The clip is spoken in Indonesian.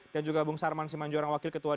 dan juga bung sarman simanjorang wakil ketua